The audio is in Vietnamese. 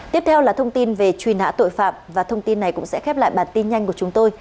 tiếp theo là thông tin về truy nã tội phạm và thông tin này cũng sẽ khép lại bản tin nhanh của chúng tôi